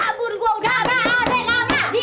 sabun gua udah berhenti